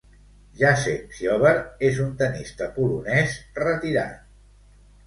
Jacek Ziober és un tenista polonès retirat.